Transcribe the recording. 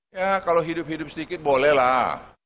ya kalau hidup hidup sedikit boleh lah